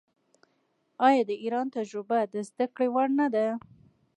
آیا د ایران تجربه د زده کړې وړ نه ده؟